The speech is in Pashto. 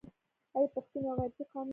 آیا پښتون یو غیرتي قوم نه دی؟